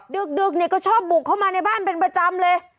ดึกเนี่ยก็ชอบบุกเข้ามาในบ้านเป็นประจำเลย